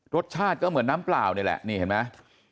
รสชาติก็เหมือนน้ำเปล่านี่แหละนี่เห็นไหม